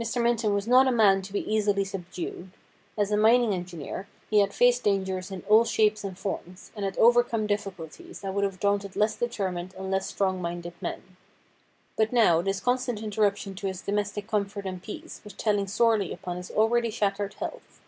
Mr. Minton was not a man to be easily subdued. As a mining engineer, he had faced dangers in all shapes and forms, and had overcome difficulties that would have daunted less determined and less THE BLOOD DRIPS 213 strong minded men. But now tins constant interruption to his domestic comfort and peace was telling sorely upon his already shattered health.